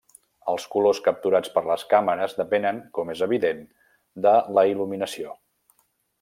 Els colors capturats per les càmeres depenen, com és evident, de la il·luminació.